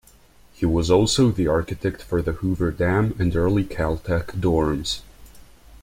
He was also the architect for the Hoover Dam and early Caltech dorms.